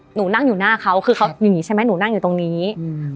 หนูนั่งอยู่หน้าเขาคือเขาอย่างงี้ใช่ไหมหนูนั่งอยู่ตรงนี้อืม